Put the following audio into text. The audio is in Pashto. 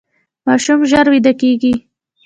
ماشوم ژر ویده کیږي.